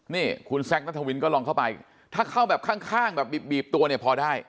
นี่คุณแซคนัทวินก็ลองเข้าไปถ้าเข้าแบบข้างแบบบีบตัวเนี่ยพอได้